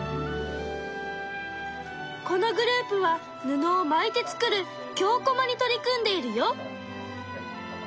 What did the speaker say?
このグループは布を巻いて作る京こまに取り組んでいるよ。